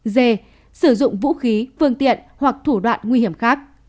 d sử dụng vũ khí phương tiện hoặc thủ đoạn nguy hiểm khác